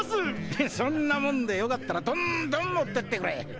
そんなもんでよかったらドンドン持ってってくれ！